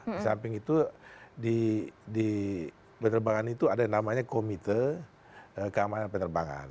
di samping itu di penerbangan itu ada yang namanya komite keamanan penerbangan